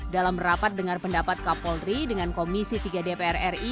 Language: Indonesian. dalam rapat dengan pendapat kapolri dengan komisi tiga dprri